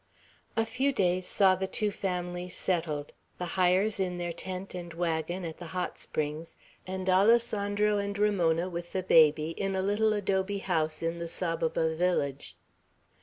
A few days saw the two families settled, the Hyers in their tent and wagon, at the hot springs, and Alessandro and Ramona, with the baby, in a little adobe house in the Saboba village.